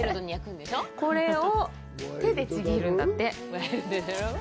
これを手でちぎるんだって。